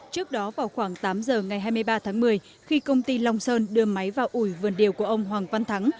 trước đó vào khoảng tám giờ ngày hai mươi ba tháng một mươi khi công ty long sơn đưa máy vào ủi vườn điều của ông hoàng văn thắng